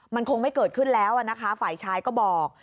มันคงไม่เกิดขึ้นแล้วนะคะฝ่ายชายก็บอก